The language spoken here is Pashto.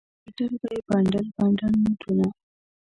او ګټل به یې بنډل بنډل نوټونه.